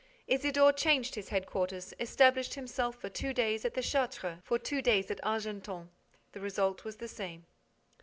Isidore changed his head quarters, established himself for two days at the Châtre, for two days at Argenton. The result was the same.